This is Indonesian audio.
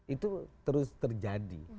itu terus terjadi